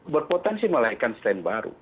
berpotensi melahirkan strain baru